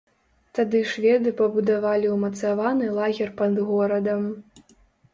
Тады шведы пабудавалі ўмацаваны лагер пад горадам.